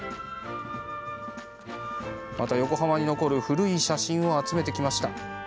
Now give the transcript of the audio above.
また、横浜に残る古い写真を集めてきました。